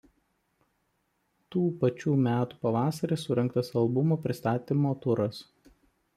Tų pačių metų pavasarį surengtas albumo pristatymo turas.